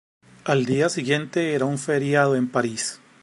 Al día siguiente era un feriado en París.